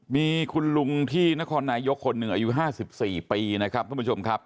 มีคุณลุงที่นครนายกคนหนึ่งอายุ๕๔ปีนะครับทุกผู้ชมครับ